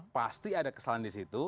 pasti ada kesalahan di situ